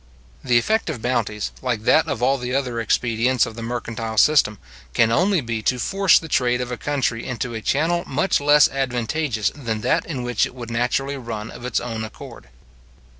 The effect of bounties, like that of all the other expedients of the mercantile system, can only be to force the trade of a country into a channel much less advantageous than that in which it would naturally run of its own accord.